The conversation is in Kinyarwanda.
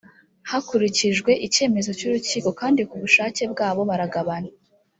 hakurikijwe icyemezo cy’urukiko kandi ku bushake bwabo baragabana